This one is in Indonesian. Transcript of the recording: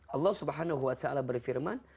allah swt berfirman